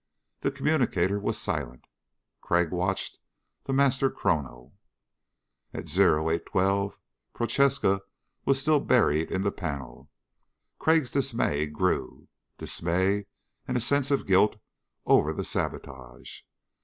The communicator was silent. Crag watched the master chrono. At 0812 Prochaska was still buried in the panel. Crag's dismay grew dismay and a sense of guilt over the sabotage.